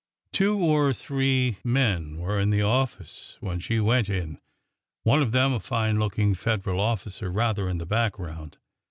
Two or three men were in the office when she went in, — one of them a fine looking Federal officer rather in the background.